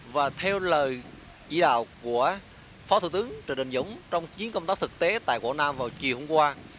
và theo lời chỉ đạo của phó thủ tướng trần đình dũng trong chiến công tác thực tế tại quảng nam vào chiều hôm qua